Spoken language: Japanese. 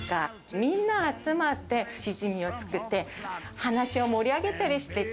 みんな集まって、チヂミを作って、話を盛り上げたりしてて。